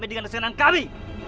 kamu tidak perlu mengarahi kami